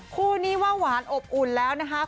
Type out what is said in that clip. คู่นี้ว่าหวานอบอุ่นแล้วนะคะ